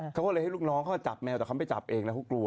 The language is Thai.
เค้าเลยให้ลูกน้องเขาจับแมวแต่เค้าไม่ไปจับเองคือกลัว